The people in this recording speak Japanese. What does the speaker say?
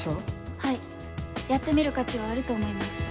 はいやってみる価値はあると思います。